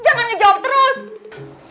jangan ngejawab terus